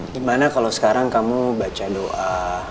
gimana kalau sekarang kamu baca doa